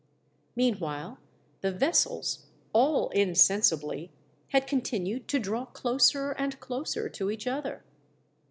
Meanwhile the vessels, all insensibly, had continued to draw closer and closer to each other.